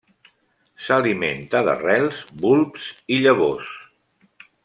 S'alimenta d'arrels, bulbs i llavors.